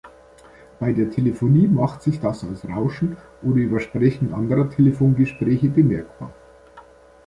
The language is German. Bei der Telefonie macht sich das als Rauschen oder Übersprechen anderer Telefongespräche bemerkbar.